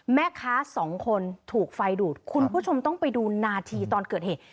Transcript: แม่ค้าสองคนถูกไฟดูดคุณผู้ชมต้องไปดูนาทีตอนเกิดเหตุ